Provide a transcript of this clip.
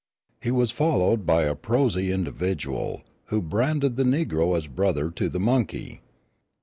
He was followed by a prosy individual, who branded the negro as brother to the monkey.